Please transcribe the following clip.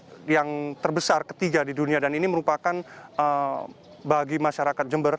ini adalah yang terbesar ketiga di dunia dan ini merupakan bagi masyarakat jember